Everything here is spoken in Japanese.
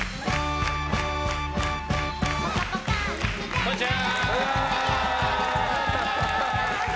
こんにちは。